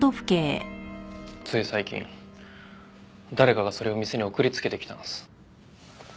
つい最近誰かがそれを店に送りつけてきたんです。